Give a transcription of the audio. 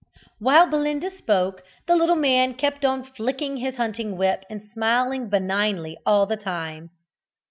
While Belinda spoke the little man kept on flicking his hunting whip and smiling benignly all the time.